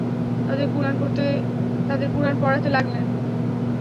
তাদের কুরআন পড়াতে লাগলেন।